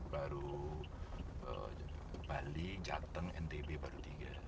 baru bali jateng ntb baru tinggal